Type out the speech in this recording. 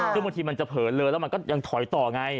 ซึ่งบางทีมันจะเผลอเลยแล้วมันก็ยังถอยต่อไง